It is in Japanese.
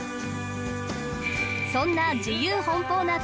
そんな自由奔放な旅